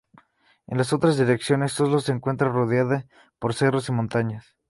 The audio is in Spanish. En las otras direcciones, Oslo se encuentra rodeada por cerros y montañas.